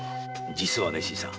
実はね新さん。